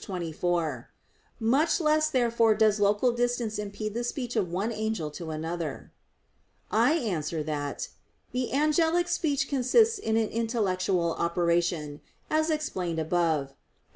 Much less therefore does local distance impede the speech of one angel to another. I answer that, The angelic speech consists in an intellectual operation, as explained above (AA.